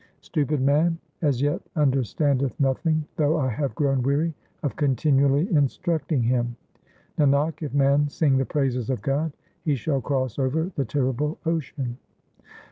Stupid man as yet understandeth nothing, though I have grown weary of continually instructing him. Nanak, if man sing the praises of God, he shall cross over the terrible ocean.